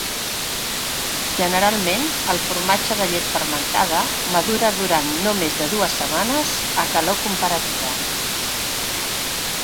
Generalment, el formatge de llet fermentada madura durant no més de dues setmanes a calor comparativa.